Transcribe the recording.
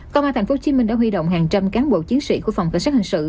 công an tp hcm đã huy động hàng trăm cán bộ chiến sĩ của phòng cảnh sát hình sự